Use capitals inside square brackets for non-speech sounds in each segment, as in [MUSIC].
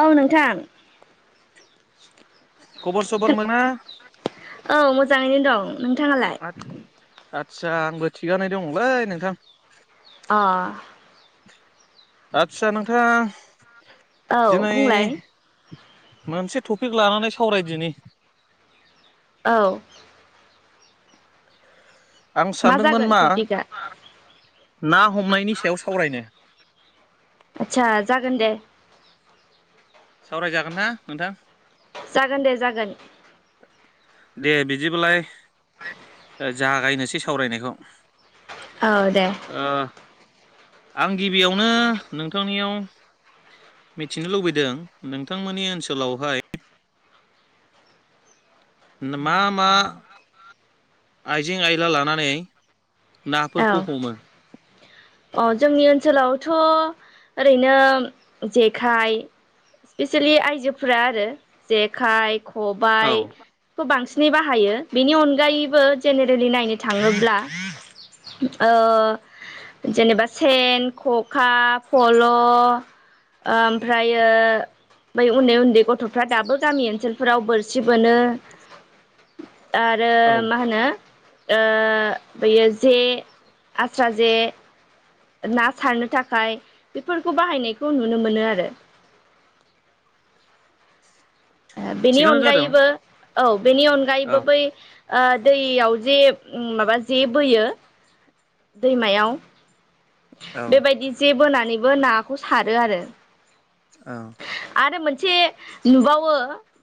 औ नोंथां। खबर सबर मोना? जाङैनो दं। नोंथाङालाय? आदसा आंबो थिगानो दंलै नोंथां। अ आतसा नोंथां औ दिनै बुंलाय? मोनसे टपिक लानानै सावरायदिनि औ आं सानदोंमोन जागोन मा टपिकआ ना हमनायनि सायाव सावरायनो। आदसा जागोन दे। सावरायजागोनना नोंथां? जागोन दे जागोन। दे बिदिबालाय [UNINTELLIGIBLE] जागायनोसै सावरायनायखौ। औ दे। ओ आं गिबियावनो नोंथांनियाव मिथिनो लुबैदों नोंथांमोननि ओनसोलावहाय मा मा आइजें आयला लानानै औ नाफोरखौ हमो? अ जोंनि ओनसोलाव थ' ओरैनो जेखाइ, स्पेसियेलि आइजोफोरा आरो जेखाइ, औ खबाइ खौ बांसिन नै बाहायो बिनि अनगायैबो जेनेरेलि नायनो थाङोब्ला ओ जेनेबा सेन खखा फल' ओमफ्रायो बै उन्दै उन्दै गथ'फ्रा दाबो गामि ओनसोलफोराव बोरसि बोनो आरो औ मा होनो ओ बैयो जे आस्रा जे ना सारनो थाखाय बेफोरखौ बाहायनायखौ नुनो मोनो आरो ओ बिनि थिगानो जादों अनगायैबो औ बेनि औ अनगायैबो बै ओ दैयाव जे माबा जे बोयो दैमायाव औ बेबायदि जे बोनानै नैबो नाखौ सारो आरो औ आरो मोनसे नुबावो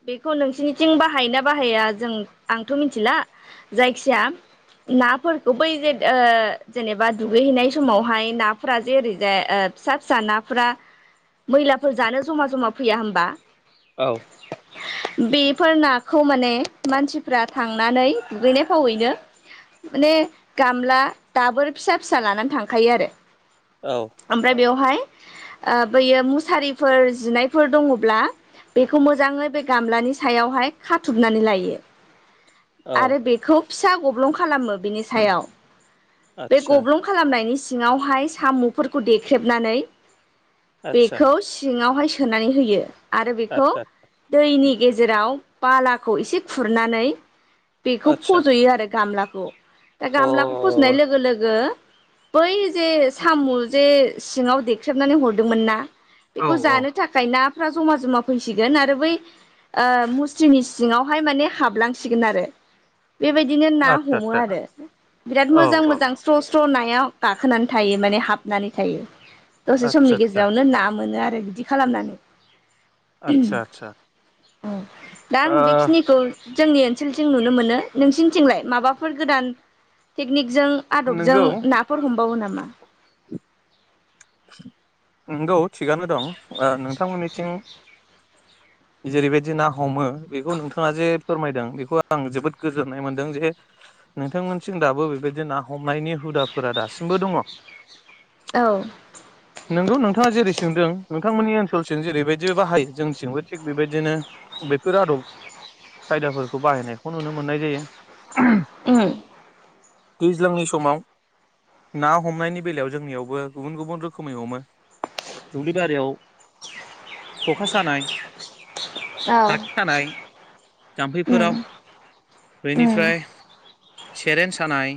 बेखौ नोंसोरनिथिं बाहायो ना बाहाया जों आंथ' मिथिला जायखिया नाफोरखौ बै जे ओ जेनबा दुगैहैनाय समाव बेहाय नाफोरा जे ओरैजाय फिसा फिसा नाफोरा मैलाफोर जानो जमा जमा फैया होनबा बेफोर नाखौ माने मानसिफ्रा थांनानै दुगैनाय फावैनो माने गामला दाबोर फिसा फिसा लानानै थाङो थांफायो आरो औ ओमफ्राय बेवहाय ओ बैयो मुसारिफोर जिनायफोर दङब्ला बेखौ मोजाङै बे गामलानि सायावहाय खाथुमनानै लायो औ आरो बेखौ फिसा गब्लं खालामो बिनि सायाव बे आतसा गब्लं खालामनायनि सिङावहाय साम'फोरखौ देख्रेबनानै आतसा बेखौ सिङावहाय सोननानै होयो आरो बेखौ आतसा दैनि गेजेराव बालाखौ एसे खुरनानै बेखौ आतसा फजयो आरो गामला गु दा अ गामलाखौ फजनाय औ लोगो लोगो बै जे साम जे सिङाव देख्रेबनानै हरदोंमोन ना बेखौ औ जानो थाखाय ना फ्रा जमा जमा फैसिगोन आरो बै ओ मुस्रिनि सिङावहाय माने हाबलांसिगोन आरो। बेबायदिनो ना आतसा हमो आतसा आरो बिराद औ मोजां औ मोजां स्रस [INAUDIBLE] नायाव। गाखोनानै थायो माने हाबनानै थायो। दसे समनि आतसा आतसा गेजेरावनो ना मोनो आरो। आरो बिदि खालामनानै। आतसा आतसा दा आं ओ बेखिनिखौ। जोंनि ओनसोलजों नुनो मोनो नोंसिनिथिंलाय माबाफोर गोदान टेकनिक जों आदबों नोंगौ ना हमबावो नामा? नंगौ। थिगानो दं नोंथांमोननि [INAUDIBLE] जेरैबायदि ना हमो बेखौ नोंथाङा जे फोरमायदों बेखौ आं जोबोद गोजोननाय मोनदों जे नोंथांमोनसिं दाबो बेबायदि ना हमनायनि हुदाफोरा दासिमबो दङ! औ। नोंगौ नोंथाङा जेरै संदों नोंथांमोननि ओनसोलसिम जेरैबायदि बाहायो जोंथिंबो। थिग बेबायदिनो बेफोर आदब खायदाफोरखौ बाहायनायखौ नुनो मोननाय जायो। उम। दैज्लांनि समाव ना हमनायनि बेलायाव जोंनियावबो गुबुन गुबुन रोखोमै हमो दुब्लि बारियाव खखा सानाय औ थाख थानायानाय जाम्फैफोराव उम उम बेनिफ्राय सेरेन सानाय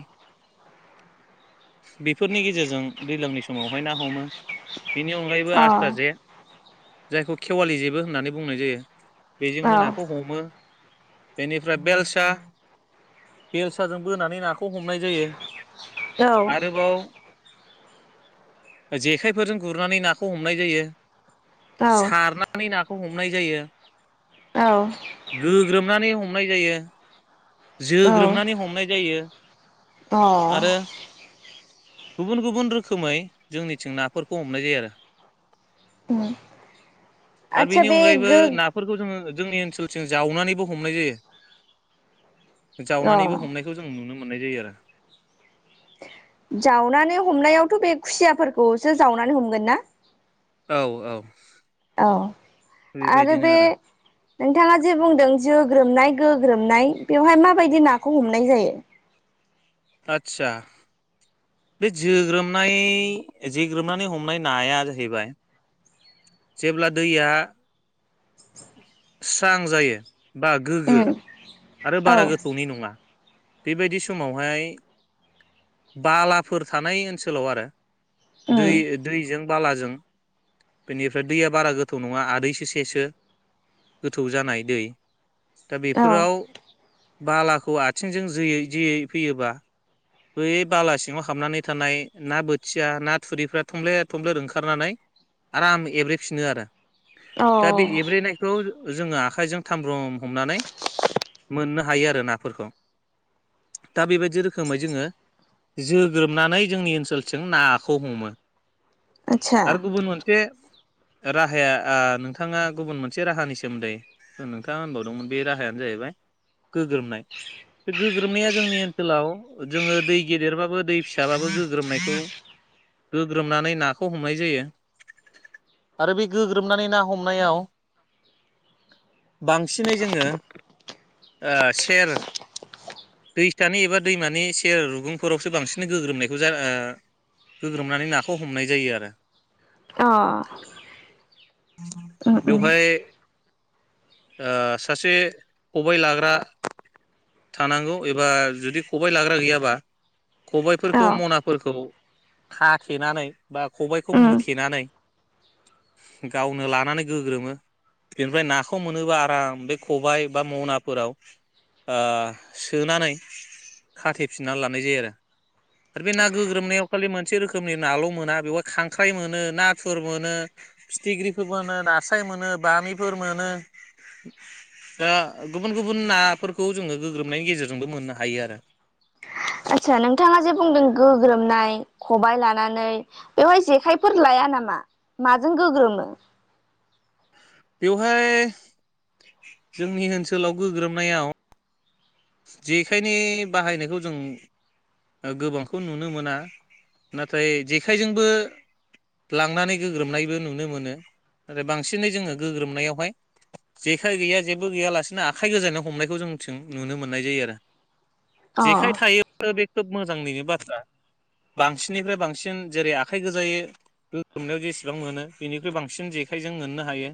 बेफोरनि गेजेरजों दैज्लांनि समावहाय ना हमो। बेनि अनगायैबो अ आस्था औ जे जायखौ खेवालि जेबो होननानै बुंनाय जायो। औ बेजोंबो नाखौ हमो बेनिफ्राय बेलसा बेलसाजों बोनानै नाखौ खौ हमनाय जायो आरोबाव जेखाइफोरजों गुरनानै नाखौ हमनाय जायो। औ सारनानै ना खौ हमनाय जायो गोग्रोमनानै हम नाय जायो। औ जोग्रोमनानै हमनाय जायो। अ आरो गुबुन गुबुन रोखोमै जोंनिथिं नाफोरखौ हमनाय जायो आरो। उम। आरो आदसा बेनि बे अनगायैबो गो नाफोरखौ जोङो जोंनि ओनसोलसिजों जावनानैबो हमनाय जायो। अ जावनानैबो हमनायखौ जों नुनो मोननाय जायो आरो जावनानै हमनायावथ' बे खुसियाफोरखौसो जावनानै हमगोन ना? औ ओ औ आरो बे नोंथाङा जे बुंदों जो ग्रोमनाय गोग्रोमनाय बेवहाय माबायदि नाखौ हमनाय जायो? आदसा बे जोग्रोमनाय जोग्रोमनानै हमनाय नाया जाहैबाय जेब्ला दैया स्रां जायो। बा गोग्गो उम आरो औ बारा गोथौनि नङा। बेबायदि समावहाय बालाफोर थानाय ओनसोलाव आरो दै उम दैजों बालाजों बेनिफ्राय दैया बारा गोथौ नङा आदैसो सेसो गोथौ जानाय दै दा औ बेफोराव बालाखौ आथिंजों जोयै जोयै फैयोबा बै बालासिङाव हाबनानै थानाय ना बोथिया ना थुरिफ्रा थमब्लेद थमब्लेद ओंखारनानै आराम एब्रेफिनो आरो अ दा बे एब्रेनायखौ जोङो आखायजों थामब्रम हमनानै मोननो हायो आरो नाफोरखौ दा बेबायदि रोखोमै जोङो जोग्रोमनानै जोंनि ओनसोलजों नाखौ हमो। आदसा आरो गुबुन मोनसे राहाया ओ नोंथाङा गुबुन मोनसे राहानि सोमोन्दै नोंथाङा होनबावदोंमोन बे राहायानो जाहैबाय गोग्रोमनाय बे गोग्रोमनाया जोंनि ओनसोलाव जोङो दै गेदेरबाबो दै फिसाबाबो गोग्रोमनायखौ गोग्रोमनानै नाखौ हमनाय जायो आरो बे गोग्रोमनानै ना हमनायाव बांसिनै जोङो ओ सेर दैसानि एबा दैमानि सेर रुगुंफोरावसो बांसिन गोग्रोमनायखौ जा ओ गोग्रोमनानै नाखौ हमनाय जायो आरो अ उम उम बेवहाय ओ सासे खबाय लाग्रा थानांगौ एबा जुदि खबाय लाग्रा गैयाबा खबायफोरखौ औ मनाफोरखौ खाथेनानै बा खबायखौ उम मुथेनानै गावनो लानानै गोग्रोमो बेनिफ्राय नाखौ मोनोबा आराम बे खबाय बा मनाफोराव आ सोनानै खाथेफिननानै लानाय जायो आरो आरो बे ना गोग्रोमनायाव खालि मोनसे रोखोमनि नाल' मोना बेवहाय खांख्राइ मोनो नाथुर मोनो फिथिग्रिफोर मोनो नास्राय मोनो बामिफोर मोनो दा गुबुन गुबुन नाफोरखौ जोङो गोग्रोमनायनि गेजेरजोंबो मोननो हायो आरो आदसा नोंथाङा जे बुंदों गोग्रोमनाय खबायाइ लानानै बेवहाय जेखायफोर लाया नामा माजों गोग्रोमो? बेवहाय जोंनि ओनसोलाव गोग्रोमनायाव जेखायनि बाहायनायखौ जों ओ गोबांखौ नुनो मोना नाथाय जेखायजोंबो लांनानै गोग्रोमनायबो नुनो मोनो नाथाय बांसिनै जोङो गोग्रोमनायावहाय जेखाय गैया जेबो गैयालासिनो आखाइ गोजायै हमनायखौ जोंनिथिं नुनो मोननाय जायो आरो अ जेखाइ थायो बे खोब मोजांनिनो बाथ्रा बांसिननिफ्राय्र बांसिन जेरै आखाइ गोजायै गोग्ग्रोमनायाव जेसेबां मोनो बिनिख्रुइ बांसिन जेखायजों मोननो हायो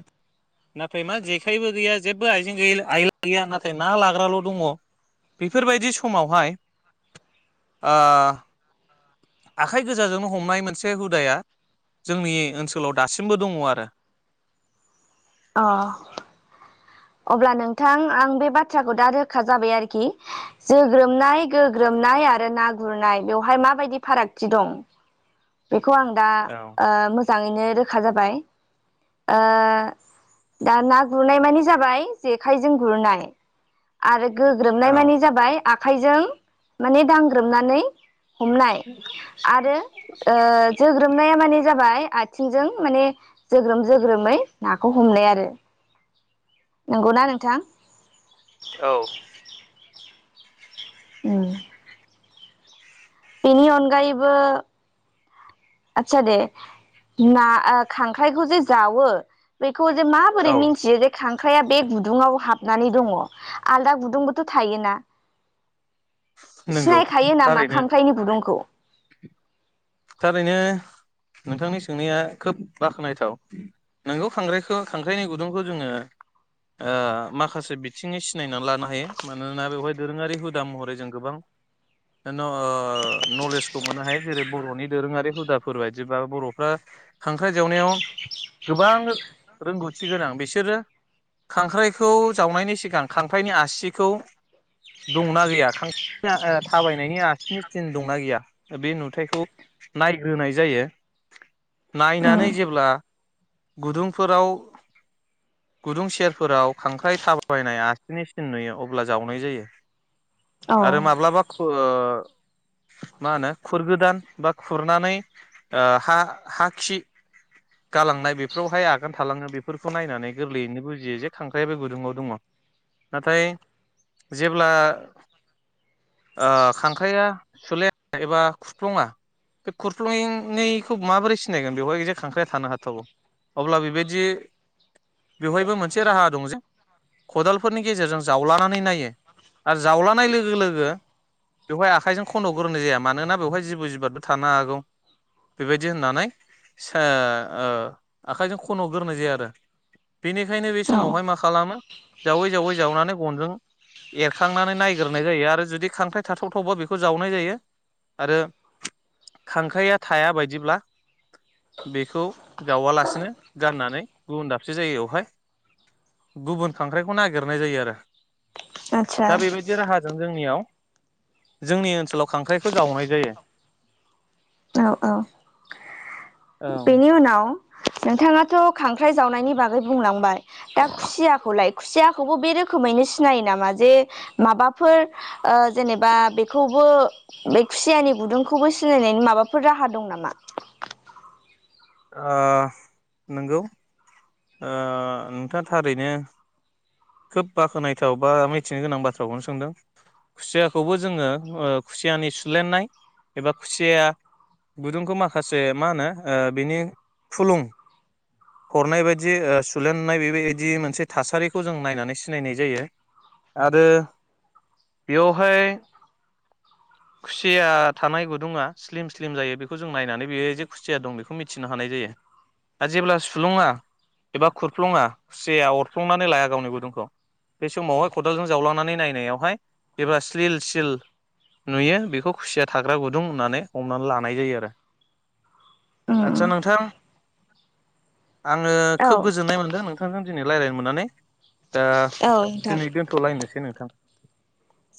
नाथाय मा जेखायबो गैया जेबो आइजें आइला गैया नाथाय ना लाग्राल' दङ बेफोरबायदि समावहाय ओ आखाइ गोजाजोंनो हमनाय मोनसे हुदाया जोंनि ओनसोलाव दासिमबो दङ आरो अ अब्ला नोंथां आं बे बाथ्राखौ दा रोखा जाबाय आरोखि जोग्रोमनाय गोग्रोमनाय आरो ना गुरनाय बेवहाय माबायदि फारागथि दं। बेखौ आं दा औ ओ मोजाङैनो रोखा जाबाय ओ दा ना गुरनाय माने जाबाय जेखायजों गुरनाय आरो गोग्रोमनाय मानि औ जाबाय आखाइजों माने दांग्रोमनानै हमनाय आरो ओ जोग्रोमनाया माने जाबाय आथिंजों माने जोग्रोम जोग्रोमै नाखौ हमनाय आरो नंगौना नोंथां? औ उम बेनि अनगायैबो आतसा दे ना खांख्राइखौ जे जावो बेखौ जे माबोरै औ मिथियो जे खां ख्राया बे गु गुदुङाव हाबनानै दङ। आलदा गुदुंबोथ' थायोना नंगौ सिनायखायो नामा थारैनो खां गुदुंखौ थारैनो नोंथांनि सोंनाया खोब बाख्नायथाव नोंगौ खांख्रायखौ खांख्राइनि गुदुंखौ जोङो माखासे ओ बिथिङै सिनायनानै लानो हायो मानोना बेवहाय दोरोङारि हुदा महरै जों गोबां न नलेजखौ मोननो हायो जेरै बर'नि दोरोङारि हुदाफोर बायदिबा बर'फ्रा खांख्राइ जावनायाव गोबां रोंगौथि गोनां बिसोरो खांख्राइखौ जावनायनि सिगां खांख्राइनि आसिखौ दंना गैया खांख्राइ थाबायनायनि आसिनि सिन दंना गैया बे नुथायाइखौ नायग्रोनाय जायो उम नायनानै जेब्ला गुदुंफोराव गुदुं सेरफोराव खांख्राइ थाबायनाय आसिनिसिन नुयो अब्ला जावनाय जायो। औ आरो माब्लाबा ओ मा होनो खुरगोदान बा खुरनानै हा हा खि गालांनाय बेफोरावहाय आगान थालाङो बेफोरखौ नायनानै गोरलैयैनो बुजियो जे खांख्राइ बे गुदुङाव दङ नाथाय जेब्ला आ खांख्राइआ सुलाया एबा खुरफ्लङा बे खुरफ्लुंयैखौ माबोरै सिनायगोन बेवहाय जे खांख्राइाया थानो हाथावौ अब्ला बेबायदि बेवहायबो मोनसे राहा दं जे खदालफोरनि गेजेरजों जावलानानै नायो आरो जावलानाय लोगो लोगो बेवहाय आखाइजों खन'ग्रोनाय जाया मानोना बेवहाय जिबौ जिबार बो थानो हागौ बेबायदि होननानै सा ओ आखाइजों खन' गोरोनाय जाया आरो बेनिखायनो बे औ समावहाय मा खालामो जावै जावै जावनानै गनजों एरखांनानै नायग्रोनाय जायो आरो जुदि खांख्राइ थाथावथावबा बेखौ जावनाय जायो आरो खांख्राइया थाया बायदिब्ला बेखौ जावालासिनो गारनानै गुबुन दाबसे जायगायावहाय गुबुन खांख्राइखौ नागिरनाय जायो आरो। आदसा दा बेबायदि राहाजों जोंनियाव जोंनि ओनसोलाव खांख्राइखौ जावनाय जायो। औ-औ औ बेनि उनाव नोंथाङाथ' खांख्राइ जावनायनि बागै बुंलांबाय दा खुसियाखौलाय खुसियाखौबो बे रोखोमैनो सिनायो नामा जे माबाफोर ओ जेनेबा बेखौबो बे खुसियानि गुदुंखौबो सिनायनायनि माबाफोर राहा दं नामा? ओ नंगौओ नोंथाङा थारैनो खोब बाख्नायथाव बा मिथिनो गोनां बाथ्राखौनो सोंदों खुसियाखौबो जोङो खुसियानि सुलेनाय एबा खुसिया गुदुंखौ माखासे मा होनो बिनि फुलुं हरनाय बायदि सुलेेननाय बेबायदि मोनसे थासारिखौ जों नायनानै सिनायनाय जायो आरो बेयावहाय खुसिया थानाय गुदुङा स्लिम स्लिम जायो बेखौ जों नायनानै बे जे खुसिया दं बेखौ मिथिनो हानाय जायो आरो जेब्ला थुलुङा एबा खुरफ्लुङा खुसिया अरफ्लंनानै लाया गावनि गुदुंखौ बे समावहाय खदालजों जावलांनानै नायनायावहाय जेब्ला स्लिल सिल नुयो बेखौ खुसिया थाग्रा गुदुं होननानै हमनानै लानाय जायो आरो आदसा औ नोंथां। आङो खोब गोजोननाय मोन्दों नोंथांजों दिनै रायज्लायनो मोननानै दा औ नोंथां दिनै दोनथ'लायनोसै नोंथां।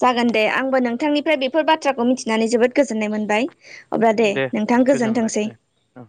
जागोन दे आंबो नोंथांनिफ्राय बेफोर बाथ्राखौ मिथिनानै जोबोद गोजोननाय मोनबाय। ओस अब्ला दे नोंथां गोजोनलाय गोजोनथोंसै। दे औ